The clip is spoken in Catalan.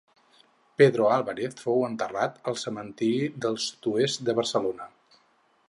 Pedro Álvarez fou enterrat al cementiri del Sud-oest de Barcelona.